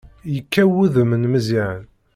Yekkaw wudem n Meẓyan.